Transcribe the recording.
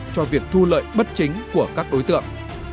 cho việc thu lợi bất chính của các đối tượng